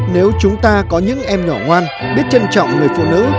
nếu chúng ta có những em nhỏ ngoan biết trân trọng người phụ nữ